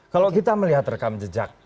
kalau kita melihat rekam jejak